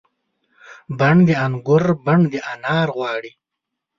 بڼ د انګور بڼ د انار غواړي